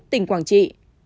sáu tỉnh quảng trị